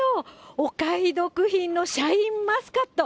お買い得品のシャインマスカット。